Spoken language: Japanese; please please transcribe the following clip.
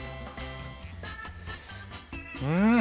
うん！